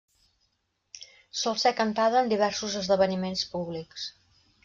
Sol ser cantada en diversos esdeveniments públics.